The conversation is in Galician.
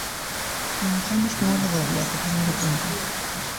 Entramos na orde do día co primeiro punto.